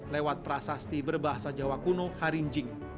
lewat prasasti berbahasa jawa kuno harinjing